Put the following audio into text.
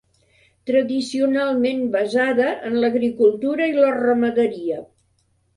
Tradicionalment basada en l'agricultura i la ramaderia.